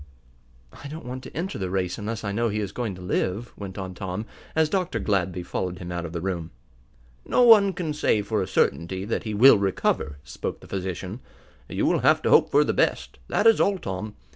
"I don't want to enter the race unless I know he is going to live," went on Tom, as Dr. Gladby followed him out of the room. "No one can say for a certainty that he will recover," spoke the physician. "You will have to hope for the best, that is all, Tom.